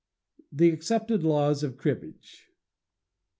The Accepted Laws of Cribbage.